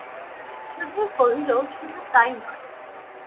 সুধীর কহিল, শুধু তাই নয়।